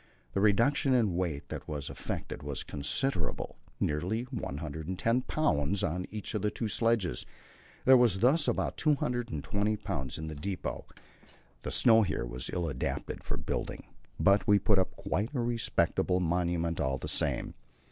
The reduction in weight that was effected was considerable nearly 110 pounds on each of the two sledges; there was thus about 220 pounds in the depot. The snow here was ill adapted for building, but we put up quite a respectable monument all the same.